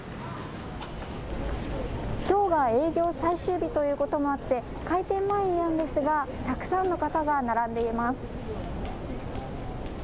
きょうは営業最終日ということもあって開店前なんですがたくさんの方が並んでいます。